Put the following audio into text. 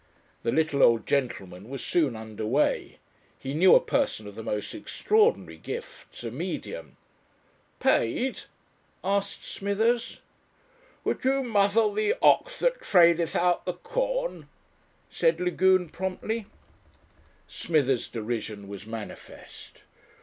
The little old gentleman was soon under way. He knew a person of the most extraordinary gifts, a medium ... "Paid?" asked Smithers. "Would you muzzle the ox that treadeth out the corn?" said Lagune promptly. Smithers' derision was manifest.